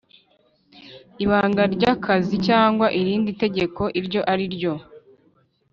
ibanga ry akazi cyangwa irindi tegeko iryo ari ryo